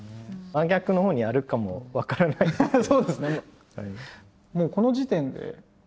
真逆のほうにあるかも分からないですけど。